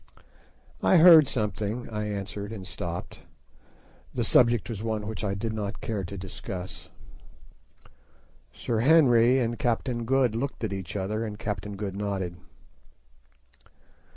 "I heard something," I answered, and stopped. The subject was one which I did not care to discuss. Sir Henry and Captain Good looked at each other, and Captain Good nodded.